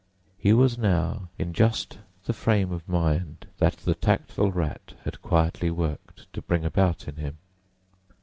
He was now in just the frame of mind that the tactful Rat had quietly worked to bring about in him.